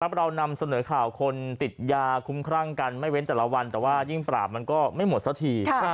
เรานำเสนอข่าวคนติดยาคุ้มครั่งกันไม่เว้นแต่ละวันแต่ว่ายิ่งปราบมันก็ไม่หมดสักที